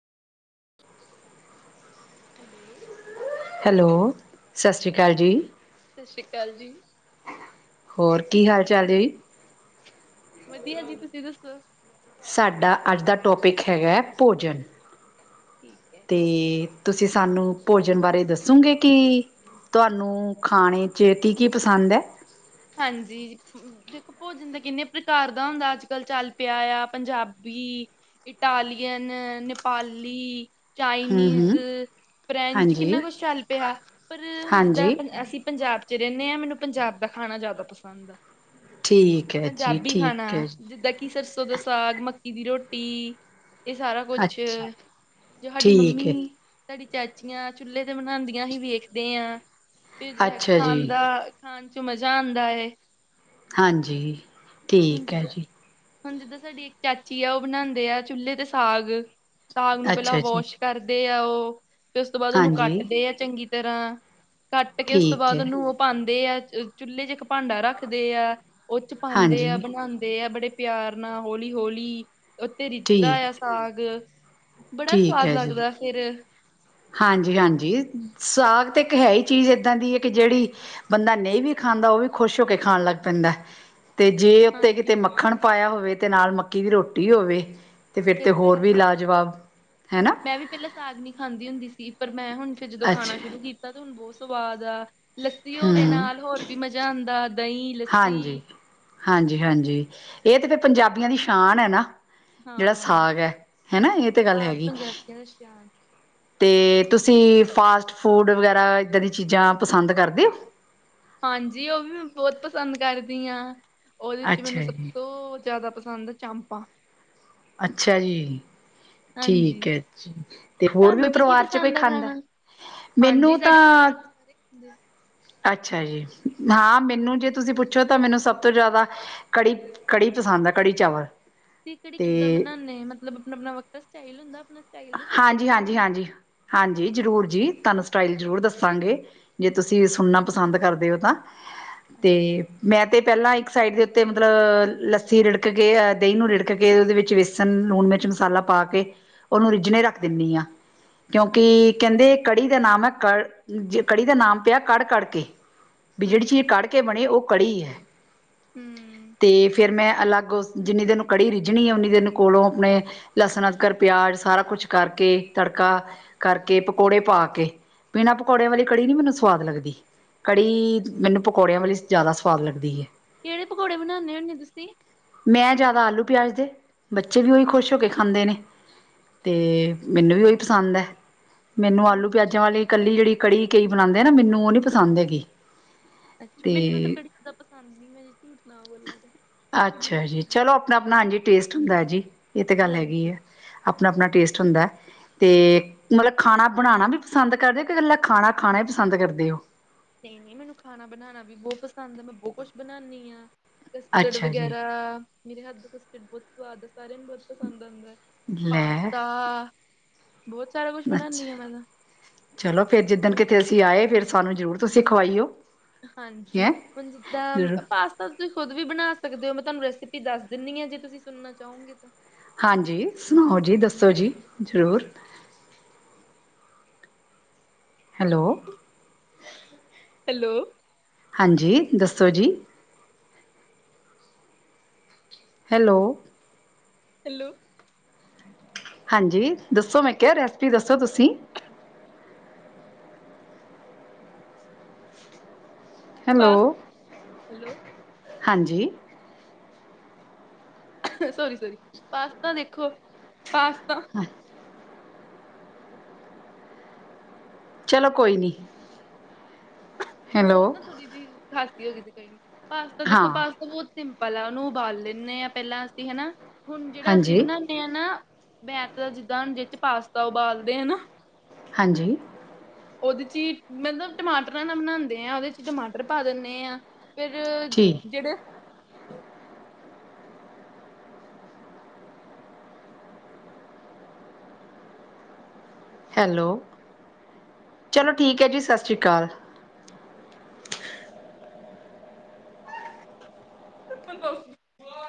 [inaudible] Hello, hello, ਸਸ ਰੀ ਕਾਲ ਜੀ। ਸਸ ਰੀ ਕਾਲ ਜੀ। ਹੋਰ ਕੀ ਹਾਲ-ਚਾਲ ਦੀਦੀ। ਵਦੀਆ ਜੀ, ਤੁਸੀਂ ਦੱਸੋ ਸਾਡਾ ਅੱਜ ਦਾ ਟੌਪਿਕ ਹੈਗਾ ਭੋਜਨ। ਠੀਕ ਐ। ਤੇ ਤੁਸੀਂ ਸਾਨੂੰ ਭੋਜਨ ਬਾਰੇ ਦੱਸੋਂਗੇ ਕੀ ਤੁਆਨੂੰ ਖਾਣੇ ਚ ਕੀ-ਕੀ ਪਸੰਦ ਐ? ਹਾਂਜੀ, ਦੇਖੋ ਭੋਜਨ ਦਾ ਕਿੰਨੇ ਪ੍ਰਕਾਰ ਦਾ ਹੁੰਦਾ ਅੱਜ-ਕੱਲ ਚੱਲ ਪਿਆ ਆ ਪੰਜਾਬੀ ਇਟਾਲੀਅਨ, ਨੇਪਾਲੀ, ਹੂੰ ਚਾਈਨੀਜ਼ ਹੂੰ ਫਰੈਂਚ ਹਾਂਜੀ ਕਿੰਨਾ ਕੁਛ ਚੱਲ ਪਿਆ, ਪਰ ਹੁਨਜਿੱਦਾਂ ਹਾਂਜੀ ਅਸੀਂ ਪੰਜਾਬ ਚ ਰੈਂਨੇ ਆ ਮੈਨੂੰ ਪੰਜਾਬ ਦਾ ਖਾਨਾ ਜ਼ਾਦਾ ਪਸੰਦ ਆ। ਠੀਕ ਹੈ ਜੀ ਪੰਜਾਬੀ ਖਾਨਾ ਠੀਕ ਹੈ ਜੀ, ਜਿੱਦਾਂ ਕਿ ਸਰਸੋਂ ਦਾ ਸਾਗ, ਮੱਕੀ ਦੀ ਰੋਟੀ ਏ ਸਾਰਾ ਕੁਛ, ਅੱਛਾ ਜੋ ਸਾਡੀ ਠੀਕ ਮੰਮੀ ਹੈ ਸਾਡੀ ਚਾਚੀਆਂ ਚੁੱਲੇ ਤੇ ਬਨਾਂਦੀਆਂ ਅਸੀਂ ਵੇਖਦੇ ਆਂ ਫਿਰ ਅੱਛਾ ਖਾਨ ਜੀ ਦਾ ਖਾਨ ਚ ਮਜ਼ਾ ਆਂਦਾ ਏ। ਹਾਂਜੀ, ਹੁਨ ਠੀਕ ਹੈ ਜਿੱਦਾਂ ਜੀ ਹੁਨ ਜਿੱਦਾਂ ਸਾਡੀ ਇੱਕ ਚਾਚੀ ਆ ਓ ਬਨਾਂਦੇ ਆ ਚੁੱਲੇ ਤੇ ਸਾਗ। ਸਾਗ ਨੂੰ ਪਹਿਲਾਂ ਅੱਛਾ ਜੀ ਵੌਸ਼ ਕਰਦੇ ਆ ਓ, ਫਿਰ ਉਸ ਤੋਂ ਬਾਦ ਓਨੂੰ ਹਾਂਜੀ ਕੱਟਦੇ ਆ ਚੰਗੀ ਤਰ੍ਹਾਂ ਕੱਟ ਕੇ ਉਸ ਤੋਂ ਠੀਕ ਬਾਦ ਹੈ ਓਨੂੰ ਓ ਪਾਂਦੇ ਆ ਚੁੱਲ੍ਹੇ ਚ ਇੱਕ ਭਾਂਡਾ ਰੱਖਦੇ ਆ ਓ ਚ ਪਾਂਦ ਹਾਂਜੀ ਬਨਾਂਦੇ ਆ ਬੜੇ ਪਿਆਰ ਨਾਲ ਹੋਲੀ-ਹੋਲੀ, ਓ ਤੇ ਰਿੱਝਦਾ ਠੀਕ ਆ ਸਾਗ। ਬੜਾ ਸਵਾਦ ਲੱਗਦਾ ਫੇਰ ਹਾਂਜੀ ਹਾਂਜੀ ਸਾਗ ਤੇ ਇੱਕ ਹੈ ਈ ਚੀਜ਼ ਏਦਾਂ ਦੀ ਕੇ ਜੇੜੀ ਬੰਦਾ ਨਈ ਵੀ ਖਾਂਦਾ ਓ ਵੀ ਖੁਸ਼ ਹੋ ਕੇ ਖਾਨ ਲੱਗ ਪੈਂਦਾ। ਤੇ ਜੇ ਉੱਤੇ ਹਾਂਜੀ ਕਿਤੇ ਮੱਖਣ ਪਾਏਆ ਹੋਵੇ ਤੇ ਨਾਲ ਮੱਕੀ ਦੀ ਰੋਟੀ ਹੋਵੇ ਤੇ ਫੇਰ ਤੇ ਫਿਰ ਤਾਂ ਹੋਰ ਵੀ ਗੱਲ ਲਾਜਵਾਬ ਹੈ ਨਾ ਮੈਂ ਵੀ ਪਹਿਲਾਂ ਸਾਗ ਨੀ ਖਾਂਦੀ ਹੁੰਦੀ ਸੀ ਪਰ ਮੈਂ ਹੁਨ ਫੇਰ ਜਦੋਂ ਖਾਨਾ ਅੱਛਾ ਸ਼ੁਰੂ ਕੀਤਾ ਤੇ ਹੁਨ ਬਹੁ ਸਵਾਦ ਆ। ਲੱਸੀ ਹੋਵੇ ਨਾਲ ਹੋਰ ਵੀ ਮਜ਼ਾ ਆਂਦਾ। ਦਹੀਂ, ਲੱਸੀ ਹਾਂਜੀ-ਹਾਂਜੀ-ਹਾਂਜੀ ਏ ਤੇ ਫੇਰ ਪੰਜਾਬੀਆਂ ਦੀ ਸ਼ਾਨ ਐ ਨਾ। ਜੇੜਾ ਹਾਂ। ਸਾਗ ਐ ਹੈਨਾ ਏ ਤੇ ਗੱਲ ਸਾਗ ਹੈਗੀ। ਪੰਜਾਬੀਆਂ ਦਾ ਸ਼ਾਨ ਤੇ ਤੁਸੀਂ ਫਾਸਟ ਫੂਡ ਵਗੈਰਾ ਏਦਾਂ ਦੀਆਂ ਚੀਜ਼ਾਂ ਪਸੰਦ ਕਰਦੇ ਓਂ। ਹਾਂਜੀ ਓ ਵੀ ਮੈਂ ਬੋਤ ਪਸੰਦ ਕਰਦੀ ਆਂ ਓਦੇ ਚ ਅੱਛਾ ਮੈਨੂੰ ਸਬ ਜੀ, ਤੋਂ ਜ਼ਾਦਾ ਪਸੰਦ ਐ ਚਾਂਪਾਂ। ਅੱਛਾ ਜੀ, ਠੀਕ ਹਾਂਜੀ ਹੈ ਜੀ ਤੇ ਹੋਰ ਵੀ ਤਾਨੂੰ ਕੀ-ਕੀ ਪਰਿਵਾਰ ਚ ਕੋਈ ਪਸੰਦ ਐ ਖਾਂਦਾ ਖਾਣਾ। ਹਾਂਜੀ ਮੈਨੂੰ ਸਾਡੇ ਤਾਂ ਪਰਿਵਾਰ ਚ ਸਾਰੇ ਖਾਂਦੇ। ਅੱਛਾ ਜੀ, ਹਾਂ ਮੈਨੂੰ ਜੇ ਤੁਸੀਂ ਪੁੱਛੋ ਤਾਂ ਮੈਨੂੰ ਸਬ ਤੋਂ ਜ਼ਾਦਾ ਕੜੀ-ਕੜੀ ਪਸੰਦ ਐ ਕੜੀ ਚਾਵਲ। ਤੁਸੀ ਕੜੀ ਤੇ ਕਿੱਦਾਂ ਬਣਾਦੇ ਮਤਲਬ ਆਪਣਾ ਆਪਣਾ ਵੱਖਰਾ ਸਟਾਈਲ ਹੁੰਦਾ ਆਪਣਾ ਸਟਾਈਲ ਦੱਸੋ ਕੜੀ ਹਾਂਜੀ ਹਾਂਜੀ ਬਣਾਉਣ ਹਾਂਜੀ ਹਾਂਜੀ ਜ਼ਰੂਰ ਜੀ ਤੁਹਾਨੂੰ ਸਟਾਈਲ ਜ਼ਰੂਰ ਦੱਸਾਂਗੇ ਜੇ ਤੁਸੀਂ ਸੁਣਨਾ ਪਸੰਦ ਕਰਦੇ ਹੋ ਤਾਂ ਤੇ ਮੈਂ, ਤੇ ਪਹਿਲਾਂ ਇੱਕ ਸਾਈਡ ਦੇ ਉੱਤੇ ਮਤਲਬ ਲੱਸੀ ਰਿੜਕ ਕੇ ਅਹ ਦਹੀਂ ਨੂੰ ਰਿੜਕ ਕੇ ਉਹਦੇ ਵਿੱਚ ਵੇਸ, ਲਸਣ ਲੂਣ ਮਿਰਚ ਮਸਾਲਾ ਪਾ ਕੇ ਉਹਨੂੰ ਰਿੱਝਣੇ ਰੱਖ ਦਿੰਦੀ ਆਾਂ ਕਿਉਂਕਿ ਹਾਂਜੀ-ਹਾਂਜੀ-ਹਾਂਜੀ ਕਹਿੰਦੇ ਕੜੀ ਦਾ ਨਾਮ, ਹੈ ਕ ਕੜੀ ਦਾ ਨਾਮ ਪਿਆ ਕੜ ਕੜ ਕੇ ਬਿਜੇੜੀ ਚੀਜ਼ ਕੱੜ ਕੇ ਕੇ ਬਣੇ ਉਹ ਕੜੀ ਹੈ, ਹਮ [unintelligible] ਅਤੇ ਫਿਰ ਮੈਂ ਅਲੱ, ਗ ਉਸ ਜਿੰਨੀ ਦੇਨ ਕੜੀ ਰਿੱਝਣੀ ਹੈ ਉਨੀ ਦੇਨ ਕੋਲੋਂ ਆਪਣੇ ਲਸਣ ਅਦਕਰ ਪਿਆਜ ਸਾਰਾ ਕੁਛ ਕਰਕੇ ਤੜਕਾ ਕਰਕੇ ਪਕੌੜੇ ਪਾ ਕੇ, ਬੀਣਾ ਪਕੌੜਿਆਂ ਵਾਲੀ ਕੜੀ ਨੀ ਮੈਨੂੰ ਸਵਾਦ ਲੱਗਦੀ, ਕੜੀ ਮੈਨੂੰ ਪਕੌੜਿਆਂ ਵਾਲੀ ਜ਼ਿਆਦਾ ਸਵਾਦ ਲੱਗਦੀ ਹੈ, ਕਿਹੜੇ ਪਕੌੜੇ ਬਣਾਉਦੇ ਹੁੰਦੇ ਤੁਸੀਂ, ਮੈਂ ਜ਼ਿਆਦਾ ਆਲੂ ਪਿਆਜ ਦੇ ਬੱਚੇ ਵੀ ਉਹੀ ਖੁਸ਼ ਹੋ ਕੇ ਖਾਂਦੇ ਨੇ, ਤੇ ਮੈਨੂੰ ਵੀ ਉਹੀ ਪਸੰਦ ਹੈ ਮੈਨੂੰ ਆਲੂ ਪਿਆਜ਼ਾਂ ਅੱਛਾ ਵਾਲੇ, ਕੱਲੀ, ਜਿਹੜੀ ਕੜੀ ਕਈ ਬਣਾਉਂਦੇ ਨਾ ਮੈਨੂੰ ਉਹ ਨੀ ਪਸੰਦ ਹੈਗੀ ਅੱਛਾ ਮੈਨੂੰ ਤਾਂ ਅਤੇ ਕੜੀ ਜਿਆਦਾ ਪਸੰਦ ਨ ਮੈਂ ਝੂਠ ਨਾ ਬੋਲਾਂ ਅੱਛਾ ਜੀ ਕੀ [unintelligible] [unintelligible] ਚਲੋ ਆਪਣਾ ਆਪਣਾ ਹਾਂਜੀ ਟੇਸਟ ਹੁੰ, ਦਾ ਜੀ ਇਹ ਤੇ ਗੱਲ ਹੈਗੀ ਹਾਂਜੀ ਹੈ ਆਪਣਾ ਆਪਣਾ ਟੇਸਟ ਹੁੰਦਾ ਅਤੇ ਮਤਲਬ ਖਾਣਾ ਬਣਾਉਣਾ ਵੀ, ਪਸੰਦ ਕਰਦੇ ਕਿ ਇਕੱਲਾ ਖਾਣਾ ਖਾਣਾ ਵੀ ਪਸੰਦ ਕਰਦੇ ਹੋ ਨਹੀਂ ਨਹੀਂ ਮੈਨੂੰ ਖਾਣਾ ਬਣਾਉਣਾ ਵੀ ਬਹੁਤ ਪਸੰਦ ਹੈ ਮੈਂ ਬਹੁਤ ਕੁਛ ਬਣਾਉਂਦੀ ਹ ਕਸਟਡ ਅੱਛਾ ਜੀ ਵਗੈਰਾ ਮੇਰੇ, ਹੱਥ ਦਾ ਕਸਟਡ ਬਹੁਤ ਸਵਾਦ ਆ ਸਾਰਿਆਂ ਨੂੰ ਬਹੁਤ ਪਸੰਦ ਅਉਦਾ ਲੈ ਪਾਸਤਾ ਬਹੁਤ ਸਾਰਾ ਕੁ ਅੱਛਾ! ਚਲੋ ਫਿਰ ਜਿੱਦਣ ਤਾਂ ਕਿਤੇ ਅਸੀਂ ਆਏ ਫਿਰ ਸਾਨੂੰ ਜ਼ਰੂਰ ਤੁਸੀਂ ਖਵਾਈਓ ਹਾਂਜੀ ਹੈਂ ਹੁਣ ਜਿੱਦਾਂ ਜ਼ਰੂਰ ਪਾਸ ਤਾਂ ਤੁਸੀਂ ਖੁਦ ਵੀ ਬਣਾ ਸਕਦੇ ਹੋ ਮੈਂ ਤੁਹਾਨੂੰ ਰੈਸਿਪੀ ਦੱਸ ਦਿੰਦੀ ਹਾਂ ਜੇ ਤੁਸੀਂ ਸੁਣਨਾ ਚਾਹੋਗੇ ਤਾਂ ਹਾਂਜੀ ਸੁਣਾਓ ਜੀ ਦੱਸੋ ਜੀ ਜ਼ਰੂਰ ਹੈਲੋ ਹੈਲੋ ਹਾਂਜੀ ਦੱਸੋ ਜੀ ਹੈਲੋ ਹੈਲੋ ਹਾਂਜੀ ਦੱਸੋ ਮੈਂ ਕਿਹਾ ਰੈਸਪੀ ਦੱਸੋ ਤੁਸੀਂ ਹੈਲੋ ਪਾਸ ਹੈਲੋ ਹਾਂਜੀ ਸੋਰੀ ਸੋਰੀ ਪਾਸਤਾ ਦੇਖੋ ਪਾਸਤਾ ਅੱ ਚਲੋ ਕੋਈ ਨਹੀਂ ਹੈਲੋ ਉਹ ਨਾ ਡੀ ਜਿਹੀ ਖਾਸੀ ਹੋ ਗਈ ਸੀ ਕਈ ਪਾਸਤਾ ਹਾਂ ਦੇਖੋ ਪਾਸਤਾ ਬਹੁਤ ਸਿੰਪਲ ਆ ਉਹਨੂੰ ਉਬਾਲ ਲੈਂਦੇ ਹਾਂ ਪਹਿਲਾਂ ਅਸੀਂ ਹਨਾ ਹੁਣ ਜਿਹੜਾ ਅਸੀਂ ਹਾਂਜੀ ਬਣਾਦੇ ਨਾ ਮੈਤ ਦਾ ਜਿੱਦਾਂ ਹੁੰਦੀ ਜਿਸ ਪਾਸਤਾ ਉਬਾਲਦੇ ਆ ਨਾ ਹਾਂਜੀ ਉਹਦੇ ਚ ਹੀ ਮਤਲਬ ਟਮਾਟਰਾਂ ਨਾਲ ਬਣਾਉਦੇ ਆ ਉਹਦੇ ਚ ਟਮਾਟਰ ਪਾ ਦਿੰਦੇ ਆਂ ਫੇਰ ਠੀਕ ਜਿਹੜੇ ਹੈਲੋ, ਚਲੋ ਠੀਕ ਹੈ ਜੀ ਸਤਿ ਸ਼੍ਰੀ ਅਕਾਲ ਹ ਦੱਸ